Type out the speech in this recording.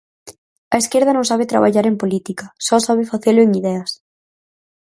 A esquerda non sabe traballar en política, só sabe facelo en ideas.